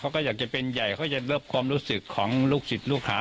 เขาก็อยากจะเป็นใหญ่เขาจะรับความรู้สึกของลูกศิษย์ลูกหา